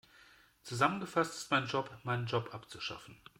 Zusammengefasst ist mein Job, meinen Job abzuschaffen.